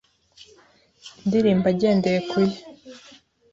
indirimbo agendeye ku ye,